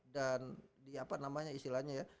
dan di apa namanya istilahnya ya